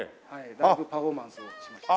ライブパフォーマンスをしまして。